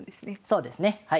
そうですね。